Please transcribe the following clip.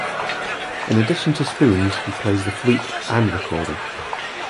In addition to spoons, he plays the flute and recorder.